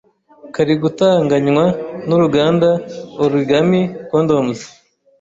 kari gutunganywa n’uruganda Origami Condoms.